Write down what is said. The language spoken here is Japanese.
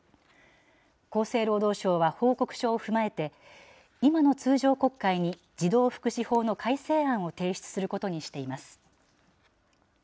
厚生労働省は報告書を踏まえて、今の通常国会に児童福祉法の改正案を提出することにしています。